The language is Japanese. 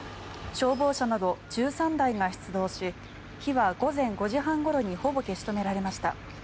消防車など１３台が出動し火は午前５時半ごろにほぼ消し止められました。